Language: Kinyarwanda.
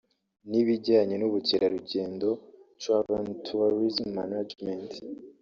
n’ibijyanye n’ubukerarugendo (Travel and Tourism Management)